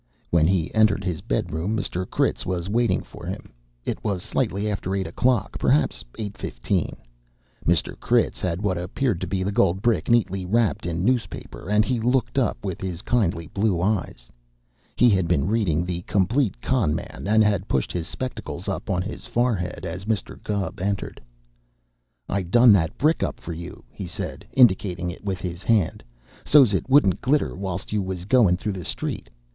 When he entered his bedroom, Mr. Critz was waiting for him. It was slightly after eight o'clock; perhaps eight fifteen. Mr. Critz had what appeared to be the gold brick neatly wrapped in newspaper, and he looked up with his kindly blue eyes. He had been reading the "Complete Con' Man," and had pushed his spectacles up on his forehead as Mr. Gubb entered. "I done that brick up for you," he said, indicating it with his hand, "so's it wouldn't glitter whilst you was goin' through the street.